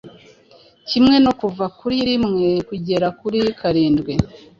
kimwe no kuva kuri rimwe kugera kuri karindwi?